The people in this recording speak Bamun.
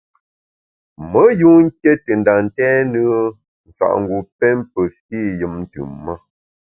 Me yun nké te nda ntèn nùe nsa’ngu pém pe fî yùm ntùm-ma.